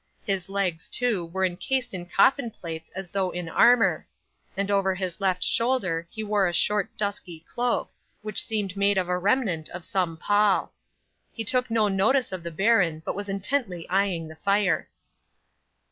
His legs, too, were encased in coffin plates as though in armour; and over his left shoulder he wore a short dusky cloak, which seemed made of a remnant of some pall. He took no notice of the baron, but was intently eyeing the fire.